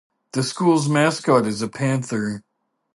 The school's mascot is a panther.